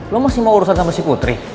lo masih mau urusan sama si putri